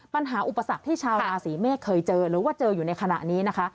อุปสรรคที่ชาวราศีเมษเคยเจอหรือว่าเจออยู่ในขณะนี้นะคะ